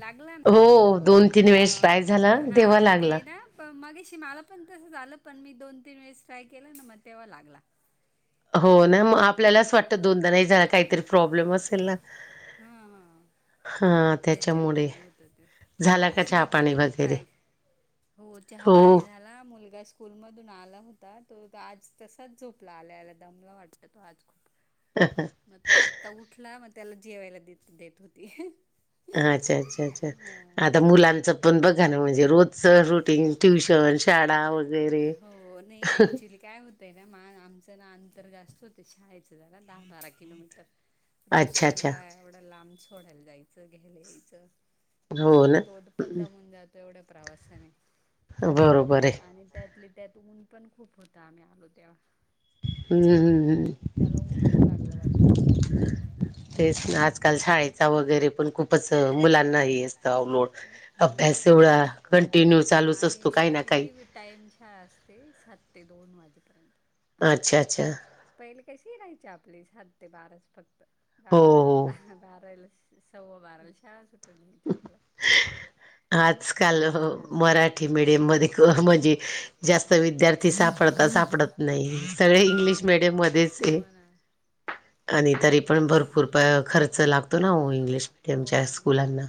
लागला हो दोन ना तीन वेळेस ट्राय झाला ह हा तेव्हा ते लागला. ना प मगेशीि मला पण तसं झालं पण मी दोन तीन वेळेस ट्राय केलं ना मग तेव्हा लागला हो ना मग आपल्यालाच वाटतं दोनदानाही झा काहीतरी प्रॉब्लेम असेल ना हा हा त्याच्यामुळे होत ते झाला का असं चहा नाही पाणी करायचं वगैरे ट्राय हो चहा हो पाणी झाला मुलगा स्कूल मधून आला होता तो आज तसाच झोपला आलाला द मला वाटत तो आज खूप ह ह मग तो आत्ता उठला मग त्याला जेवायला देत देत होती अच्छा अच्छा अच्छा, हा आता मुलांचं पण बघा ण म्हणजे रोजच रुटीन ट्युशन, शाळा वगैरे. हो नाही ॲक्च्युली काय होतय ना मा आमच ना अंतर जास्त होत शाळेचं झालं दहा बारा किलोमीटर रोज अच्छा अच्छा त्याला एवढं लांब सोडायला जायचं घ्यायला यायचं हो तर ना तोदपण दामून जातोय एवढ्या प्रवासाने. बरोबर हे. आणि त्यातली त्यात ऊन पण खूप होत आम्ही आलो तेव्हा. हम्म हम्म हम्म त्याला ऊनच लागलं वाटत. तेच आजकाल शाळेचा वगैरे पण खूपच मुलांनाही निसता ओ लोड. हो ना अभ्यास खूप एवढा वेळ कंटिन्यू चालूच असतो काही ना काही. टाईम शाळा असते, सात ते दोन वाजेपर्यंत. अच्छा अच्छा. पहिले कशी राहायची आपली, साात ते बाराच फक्त. हो बारा हो बाराला सव्वा बाराला शाळा सुटन राहयची आपल्या. आजकाल मराठी मिडियम मध्ये म्हणजे जास्त विद्यार्थी ते सापडता सापडत नाही. सगळे इंग्लिश मीडियम मध्येच हे. आणि तरी पण भरपूर प खर्च लागतो ना ओ इंग्लिश मिडियमच्या मिडियममध्ये स्कुलांना.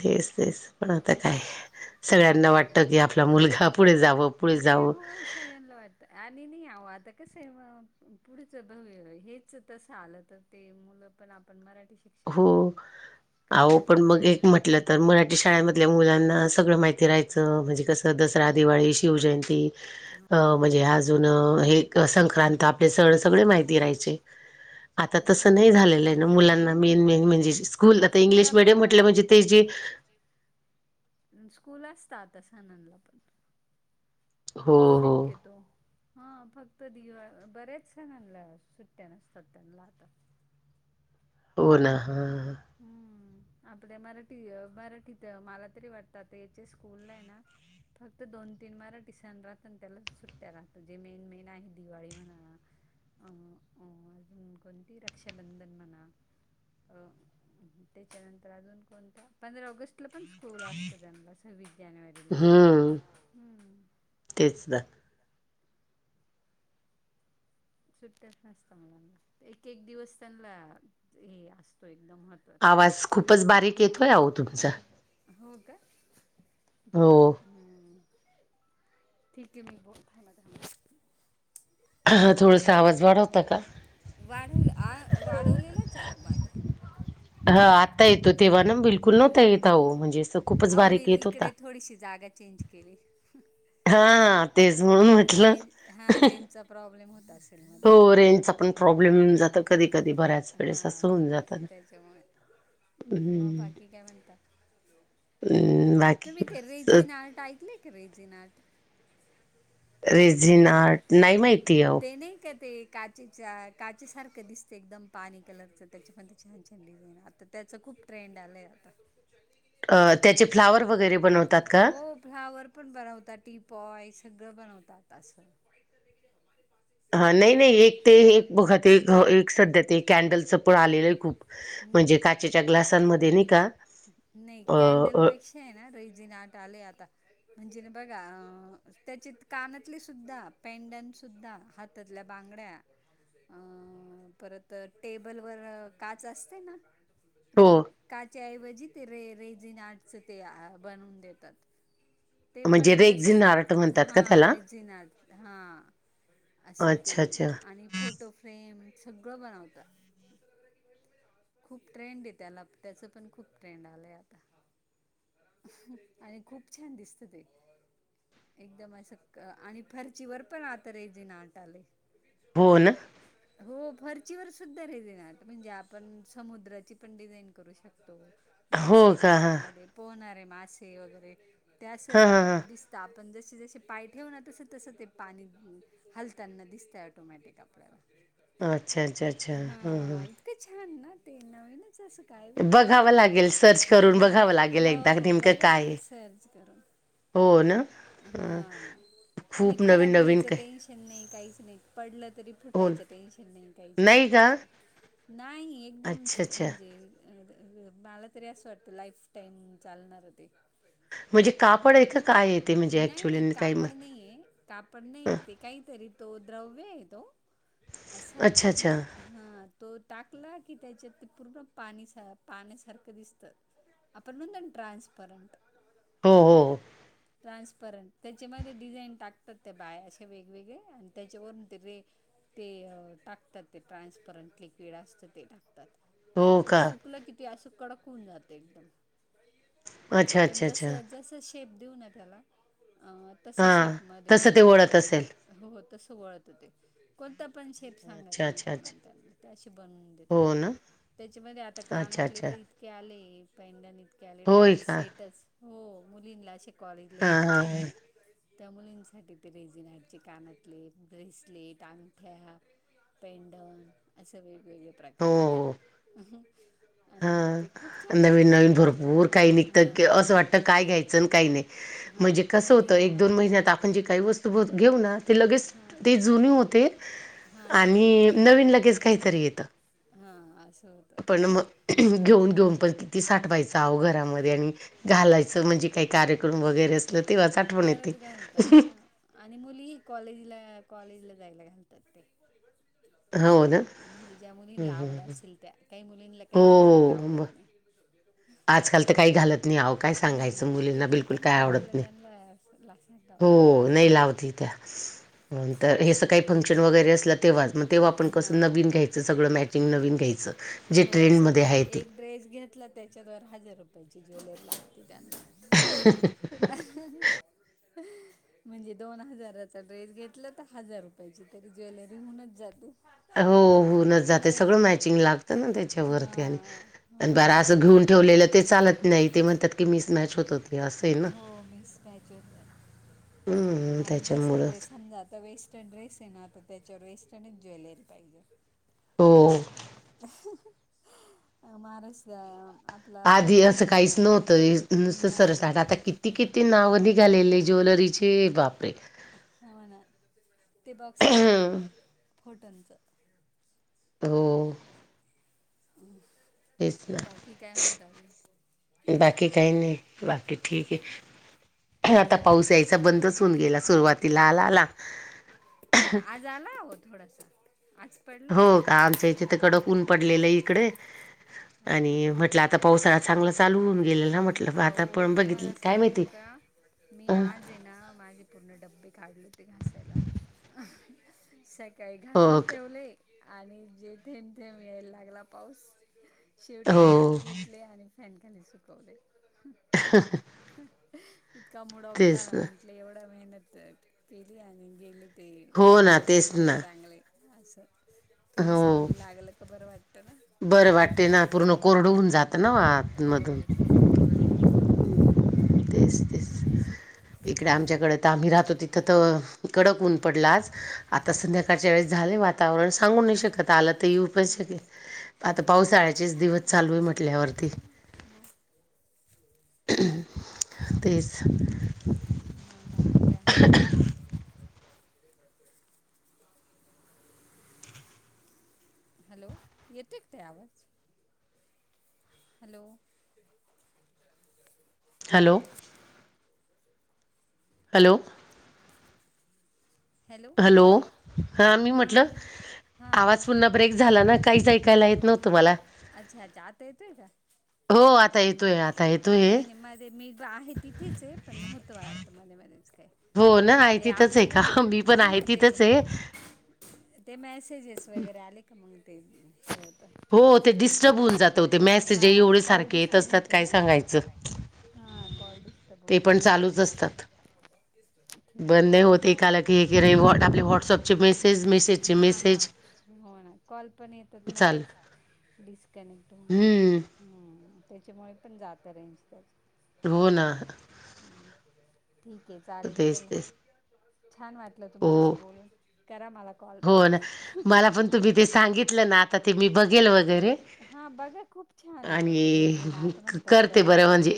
तेच तेच पण आता काय सगळ्यांना वाटतं की आपला मुलगा पुढे जावं, पुढे जावं तेनला वा आणि नई आव आता कसं हे, पुढचं भव हेच तसं आलं तर. ते मुलं पण आपण मराठी शिक हो. आहो पण मग नाही ना. एक म्हटलं तर, मराठी शाळमधल्या मुलांना सगळं माहि फीराहायचं म्हणजे कस दसरा, दिवाळी, शिवजयंती अ म्हणजे आज अजून हेक संक्रांत ते सन सगळे माहिती राहायचे. आता तस हो नाही झालेले आताच्या हाय ना मुलांना नाही मेन माहिती. मेन म्हणजे, स्कूल आता स्कूला इंग्लिश मीडियम पण म्हटलं म्हणजे तेस जे स्कूल असतात आता सनानला पण. हो हो चेक घेतो. हा फक्त दिवाळ बर्याच सणांनला सुट्ट्या नसतात त्यांनला आता. हो ना, हा. हम्म आपल्या मराठी मराठीत मला तरी वाटतं याचे स्कूल नाही ना फक्त दोन तीन मराठी सण राहत अन त्याला सुट्ट्या राहतं. जे मेन मेन आहे दिवाळी म्हणा अ -अ अजून कोणती रक्षाबंधन म्हणा. अ त्याच्यानंतर अजून कोणता? पंधरा ऑगस्ट ला पण स्कूल असत त्यांना सव्वीस जानेवारीला. हम्म हम्म तेच असं ना. सुट्ट्याच नसत मुलांना. एक एक दिवस त्यांनला हे असतो एकदम महत्त्वाचा आवाज खूपच बारीक येतोय, आओ तुमचा. हो का? हो. हम्म ठीके मी [unintelligible] हा हा थोडंस आवाज वाढवता का? वाढव आ वाढवलेलाचाय आओ माझा. हा आता येतो. तेव्हा ना बिल [inaudible] नव्हता येत आओ, म्हणजे खूपच हा अहो मी बारीक येत होता. इकडे थोडीशी जागा चेंज केली. हा, हा तेच म्हणून म्हटलं. चा प्रॉब्लेम होत असायचा. हो रेंजचा पण प्रॉब्लेम होऊन जातो कधी कधी बऱ्याच हा वेळेस असं होऊन जातं ना त्याच्यामुळे. मग बाकी काय म्हणतात हं बाकी तुम्ही ते बस रेजी आर्ट ऐकलेय का रेजी आर्ट रेझीन आर्ट नाही माहिती आहे आओ? ते नाही का, ते काचेचा काचे सारखं दिसत, एकदम पाणी कलरच त्याच्या पण ते छान-छान डिझाईन आता. त्याचं खूप ट्रेंड आला आहे आता. त्याचे फ्लावर वगैरे बनवतात का? हो फ्लावर पण बनवतात. टीपवाय सगळं बनवतात. आता असं हा नाही नाही एक ते एक बघ एक सध्या ते कॅन्डलचं पण आलेलं आहे खूप न- म्हणजे काचेच्या ग्लासांमध्ये नाही का? नाही अ कॅन्डल अ पेक्षा आहे ना रेजीन आर्ट आले आता म्हणजे बघा त्याची कानातली सुद्धा पेडन सुद्धा हात ततल्या बांगड्या अ परत टेबल वर काच असते ना हो तर काच्या ऐवजी ते रे रेज इन आर्टच ते बनवून देतात ते पण म्हणजे जस रेक्झिन आर्ट म्हणतात हा का त्याला? रेजिन आर्ट असं ते अच्छा अच्छा आणि फोटो फ्रेम सगळं बनवतात खूप ट्रेंड आहे त्याला त्याच पण खूप ट्रेंड आलाय आता आणि खूप छान दिसत ते एकदम असं आणि फर्चीवर पण आता रेज आर्ट आले होन हो फर्शीवर सुद्धा रे देणार म्हणजे आपण समुद्राची पण डिझाईन करू शकतो हो मासे का हां त्याच्यामध्ये पोहणारे मासे वगैरे त्या हां असं हां हां दिस तर आपण जसे जसे पाय ठेव ना तसं तसं ते पाणी हलताना दिसतं ऑटोमॅटिक आपल्या ह [unintelligible] हा इतकं छान ना ते नवीन कसं? काय? म्हणजे बघावं लागेल सर्च करून हा बघावं लागेल हो एकदा हो नेमकं बघा काय आहे तुम्ही सहज करून हो ना? हा अ आणि खूप खराब नवीन नवीन व्हायचं काय टेन्शन नाही काहीच नाही पडलं तरी हो ना. फुटायचं टेन्शन नाही काहीच नाही काहीच नाही नाही एकदमच अच्छा अच्छा म्हणजे अ मला तरी असं वाटतं लाईफ टाईम चालणार ते म्हणजे कापड आहे काय आहे? म्हणजे ऍक्च्युली काही आणि कापड नाही येते काहीतरी तो द्रव्य आहे तो असा अच्छा अच्छा हा तो टाकला की त्याच्यात ते पूर्ण पाणी पाण्यासारखं दिसतं आपण म्हणत नाहीत का ट्रान्सपर्न्टर हो हो [inaudible] ट्रान्सपरंट त्याच्यामध्ये डिझाईन टाकतात ते बाय असे वेगवेगळे आणि त्याच्यावरून ते रे ते टाकतात ते ट्रान्सपरंट लिक्विड असतं ते टाकतात. आणि हो ते का सुकलं किती असं कडक होऊन जाते एकदम अच्छा आपण अच्छा जस अच्छा जस शेप देऊ ना त्याला तस हां शेप मध्ये तसं बनत ते वळत असेल हो तस वळत ते कोणता पण शेप सांगायच अच्छा तोम्ही अच्छा अच्छा बनवायला त्या तशी बनवून देतात. हो ना त्याच्यामध्ये आता अच्छा कानातले अच्छा तर आले पेंडन इतके आले होय डायरेक्ट का सेटच हो मुलींला कॉलेजला हां जातात हां ना हां मुली त्या मुलींसाठी ते रेजिनटचे कानातले ब्रेसलेट आगठ्या पेंडन असं वेगवेगळ्या हो प्रकार मध्ये हो आणि ते खूप छान वाटत ते घ ूर काही निघत अस वाटत काय घ्यायचं काही नाही हा म्हणजे कसं आणि होतं एक दोन महिन्यात आपण जे काहीत घेऊ लगेच हा जु होते हा नवीन आणि नवीन काहीतरी लगेच येत काहीतरी येतं हा आ असो पण मग घेऊन घेऊन पण किती साठवायचं आहो घरामध्ये आणि घालायचं म्हणजे काही कार्यक्रम वगैरे असल तेव्हाच आठवण तरच येते घालतात ना आणि मुलीही कॉलेजला कॉलेजला जायला घालतात ते ना म्हणजे ज्या हम्म, मुलींला हम्म, आवडत हम्म. असेल त्या काही मुलींना हो काहीच घालायला हो ब आवडत नाही [inaudible] आजकाल तर काही घालत नाही आह काय हो ना सांगायचं मुलींना टिकली बिलकुल पण काय आवडत लावायला नाही त्यांना लक्षात द्यावं हो लागतं नाही लावते त्या हेसं काही फंक्शन वगैरे असलं तेव्हाच मग तेव्हा आपण कसं नवीन हा घ्यायचं सगळं मॅचिंग नवीन घ्यायचं जे हो ट्रेंडमध्ये सगळं आहे एक ड्रेस घेतला त्याच्यात हजार रुपयाची ज्वेलरी लागते त्यांना ते अ [unintelligible] [inaudible] [inaudible] म्हणजे दोन हजाराचा ड्रेस घेतला तर हजार रुपयाची तर ज्वेलरी म्हणूनच जाते हो होऊनच जाते नाही का सगळं मॅचिंग लागतं ना त्याच्यावरती आणि हां आणि बरा असं हां घेऊन ठेवलेलं ते चालत नाही ते म्हणतात की मिस मॅच होत हो ते असं ना हो मिकस पायचे हम्म त्याच्यामुळे ड्रेस समजा आता वेस्टर्न डेस आहे ना आता त्याच्यावर वेस्टर्नच ज्वेलरी पाहिजे हो मारस आधी असं काहीच नव्हतं नुसतं नाही सरसाठ आता किती ती किती नाव निघालेली आहे ज्वेलरीचे वापरे ह ना ते बॉक्स आहे ना इकडं फोटोंचं हो तेच ना बाकी काय हता ग बाकी काही नाही बाकी ठीक आहे आता पाऊस यायचा बंदच होऊन गेला अर्धा सुरुवातीला किलो आला आला हो ना आज आला हो थोडासा आज पडला हो का बऱ्यापैकी आमच इथिथ कडकऊन पडलेलं इकडे हां आणि हां म्हटलं तर पावसाळा चग चालू होऊन गेल अ तुम्हाला सांगू का मी अ आज आहे ना माझे पूर्ण डब्बे काढले ते घासायला सकाळी हो घासून ठेवले आणि जेथेथे मिळेल लागला पाऊस शेवटी घरात हो घेत सुकले आणि फ्रँडकांनी सुकवले [inaudible] इतका मुडप तेच झाला ना म्हटलं एवढं मेहनत केली आणि गेले ते हो ना सुकले पण तेच नाही ना चांगले असं थोडंसं हो ऊन लागलं का बरं वाटतं कट ना बरं वाटते ना पूर्ण कोरड होून जात ना आतमधून कोरडीऊन जात तेच तेच असं इकडे आमच्याकडें तर आम्ही राहतो तिथं तर कडक ऊन पडलाच आता हां संध्याकाळच्या वेळेस झाले वातावरण सांगू नाही शकत आलं तर येऊ पच हां शकेल आता पावसाळ्याचेच दिवस चालू आहे म्हटल्यावरती हो तेच म बाकी काय म्हणता हचछ हॅलो येते क तेय आवाज हॅलो हॅलो हॅलो. हॅलो हा मी हां म्हटलं हां आवाज पुन्हा ब्रेक झाला ना काहीच ऐकायला येत नव्हतं मला अच्छा जात येते का हो आता येतोय आता हा येतोय. नाही नाही मध्ये मी आहे तिथेच आहे पण होतं वार्त मध्ये मध्येच काय? हो ना आहे ते तिथंच आपले आहे का पण मी पण हा ना आहे ते तिथंच आहे. ते मेसेजेस वगैरे आले का मग ते हो ते डिस्टर्ब होऊन जातं ते मेसेज हा एवढे मग कॉल सारखे येत डिस्टब असतात होत. काय सांगायचं. हा क्वालटस ते पण चालूच असतात. ठीक आहे बंद नाही बाकी होत काय एक म्हण आला की एक व्हॉ आपले व्हॉट्सअपचे मेसेज मेसेजचे हा हा मेसेज. होणार. कॉल पण येतोात चाल मध्येच कनेक्ट हम्म हो त्याच्यामुळे पण जातं रेंज तरच होोना. ् ठीक आहे चालेल तेच चला तेच छान वा. हो तुमच्याशी बून करा मला कॉल हो ना. परत मला पण तुम्ही ते सांगितलं ना आता ते मी बघेल वगैरे. हा बघा खूप छान आहे होते आणि रेजी ना. क- करते बरं म्हणजे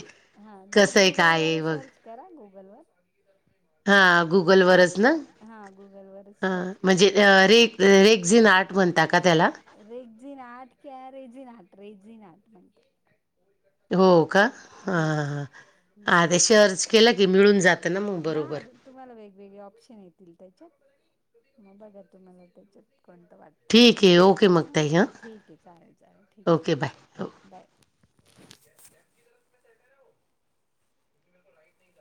कसं आहे काय वर आहे बघ सर्च करा गल वर हां गुगल गुगलवरच ना व हा गुगलवरच हां सर्च कराय. ण म्हणजे रे रेक्झिन आर्ट म्हणता का त्याला रेगजी नाट क रेजी नाट रेगजी नाट म्हणते.. के हो का हां हां हां हां ते सर्च केलं की मिळून जातं ना मग बरोबर तुम्हाला वेगवेगळे ऑप्शन येतील त्याच्यात मग बघा तुम्हाला त्याच्यात कोणतं वाटत. ते ठीक आहे बघायच ओके मग ताई हां ठीक आहे चालेल चालेल ठीक आहे. ओके बाय हो बाय. बिकल राईट नाही झा.